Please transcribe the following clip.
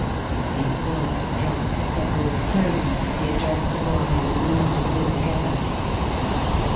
His voice dropped several tones as he addressed the boy and they moved away together.